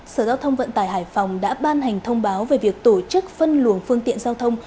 sở giao thông vận tải hải phòng đã ban hành thông báo về việc tổ chức phân luồng phương tiện giao thông